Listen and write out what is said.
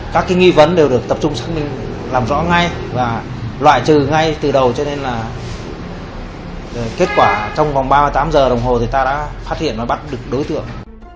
các nghi vấn đều được tập trung xác minh làm rõ ngay và loại trừ ngay từ đầu cho nên là kết quả trong vòng ba mươi tám giờ đồng hồ thì ta đã phát hiện và bắt được đối tượng